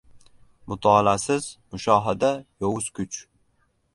Mutolaasiz mushohada — yovuz kuch!